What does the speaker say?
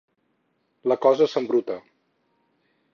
La cosa s'embruta!